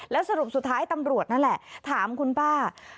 แล้วสรุปสุดท้ายตำรวจนั่นแหละถามคุณป้า